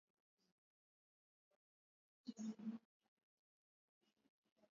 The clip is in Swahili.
limesema linawatafuta waliohusika katika tukio hilo